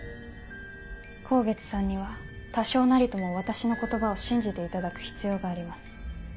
香月さんには多少なりとも私の言葉を信じていただく必要があります。